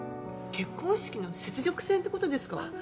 結婚式の雪辱戦ってことですか？